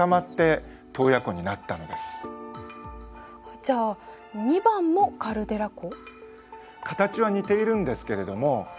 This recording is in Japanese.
じゃあ２番もカルデラ湖？